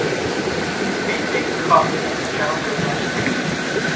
بزهکار از جان گذشته